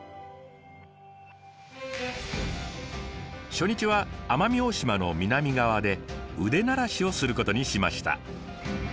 初日は奄美大島の南側で腕慣らしをすることにしました。